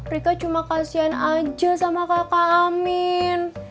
rika cuma kasian aja sama kakak amin